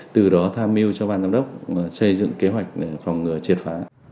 từ đó tham mưu cho ban giám đốc xây dựng kế hoạch để phòng ngừa triệt phá